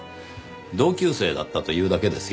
同級生だったというだけですよ。